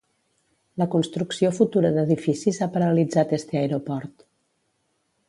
La construcció futura d'edificis ha paralitzat este aeroport.